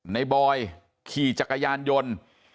บอยขี่จักรยานยนต์